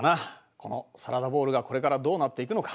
このサラダボウルがこれからどうなっていくのか。